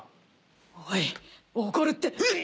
おい起こるって。